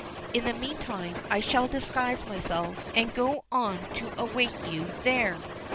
In the meantime I shall disguise myself and go on to await you there.